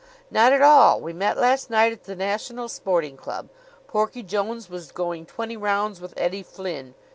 "Not at all. We met last night at the National Sporting Club. Porky Jones was going twenty rounds with Eddie Flynn.